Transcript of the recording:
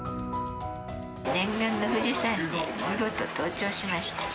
念願の富士山に見事登頂しました。